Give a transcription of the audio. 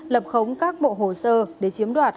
lập khống các bộ hồ sơ để chiếm đoạt